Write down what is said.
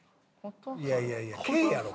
いやいやいや「Ｋ」やろ。